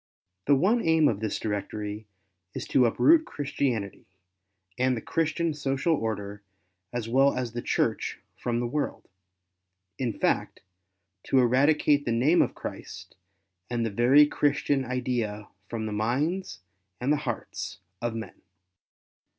The one aim of this directory is to uproot Christianity, and the Christian social order as well as the Church from the world — in fact, to eradicate the name of Christ and the very Christian idea from the minds and the hearts of men.